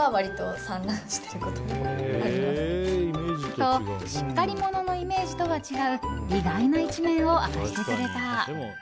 と、しっかり者のイメージとは違う意外な一面を明かしてくれた。